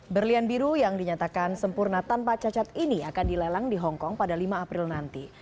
berlian biru yang dinyatakan sempurna tanpa cacat ini akan dilelang di hongkong pada lima april nanti